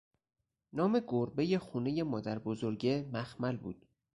نام گربهٔ خونهٔ مادربزرگه، مخمل بود